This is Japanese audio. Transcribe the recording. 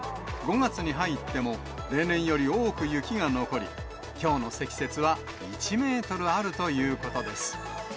５月に入っても例年より多く雪が残り、きょうの積雪は１メートルあるということです。